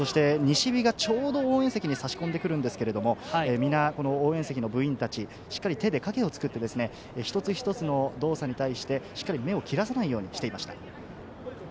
西日がちょうど応援席に差し込んで来るんですがみんな応援席の部員たち、しっかり手で影を作って、一つ一つの動作に対してしっかり目を切らさないようにしていました。